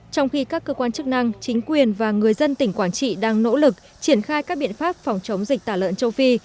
trong khi các cơ quan chức năng chính quyền và người dân tỉnh quảng trị đang nỗ lực triển khai các biện pháp phòng chống dịch tả lợn châu phi